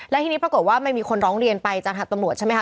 และทีนี้ปรากฏว่ามันมีคนร้องเรียนไปจากทางตำรวจใช่ไหมคะ